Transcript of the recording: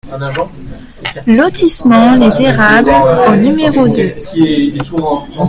Lotissement Les Érables au numéro deux